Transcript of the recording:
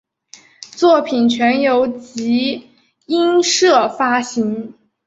作品全由集英社发行。